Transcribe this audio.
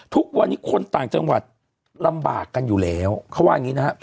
ทุกวันนี้คนต่างจังหวัดลำบากกันอยู่แล้วเขาว่าอย่างนี้นะครับ